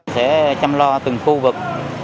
sẽ chăm lo từng khu vực